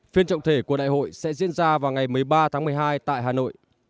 phiên trọng thể của đại hội sẽ diễn ra vào ngày một mươi ba tháng một mươi hai tại hà nội